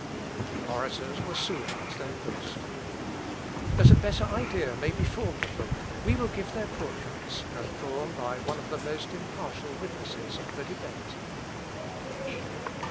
The orators were soon at their post. That a better idea may be formed of them, we will give their portraits as drawn by one of the most impartial witnesses of the debate.